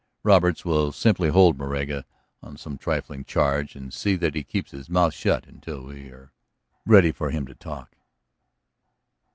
Roberts will simply hold Moraga on some trifling charge, and see that he keeps his mouth shut until we are ready for him to talk."